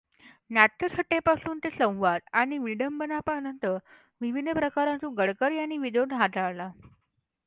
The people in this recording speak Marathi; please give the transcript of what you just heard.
नाट्यछटेपासून ते संवाद आणि विडंबनापर्यंत विविध प्रकारांतून गडकर् यांनी विनोद हाताळला.